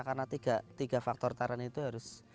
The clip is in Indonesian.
karena tiga faktor taran itu harus